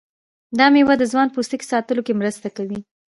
دا میوه د ځوان پوستکي ساتلو کې مرسته کوي.